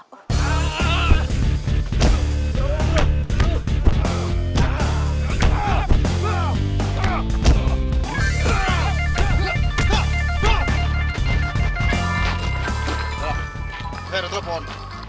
tolong saya udah telepon